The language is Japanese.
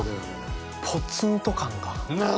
ポツンと感が。